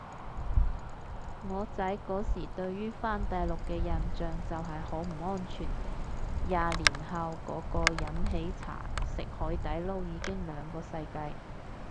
我仔嗰時對於返大陸嘅印象就係好唔安全，廿年後個個飲喜茶食海底撈已經兩個世界